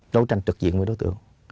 đấu tranh trực diện với đối tượng